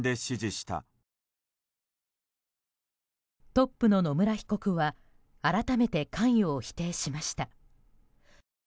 トップの野村被告は改めて関与を否定しました。